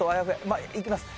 まあいきます。